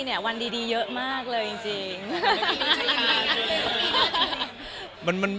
จริงทั้งปีเนี่ยวันดีเยอะมากเลยจริง